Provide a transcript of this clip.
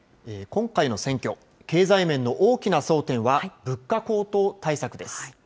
今回の選挙、経済面の大きな争点は、物価高騰対策です。